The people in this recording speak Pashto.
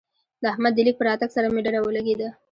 د احمد د ليک په راتګ سره مې ډډه ولګېده.